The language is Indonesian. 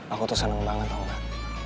aku tuh seneng banget tau kan